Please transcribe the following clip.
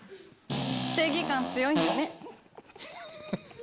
正義感強いんだね。